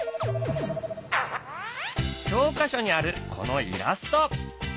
教科書にあるこのイラスト。